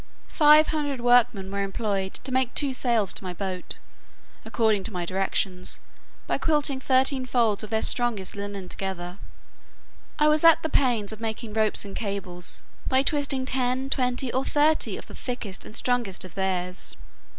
Five hundred workmen were employed to make two sails to my boat, according to my directions, by quilting thirteen folds of their strongest linen together. I was at the pains of making ropes and cables, by twisting ten, twenty, or thirty of the thickest and strongest of theirs.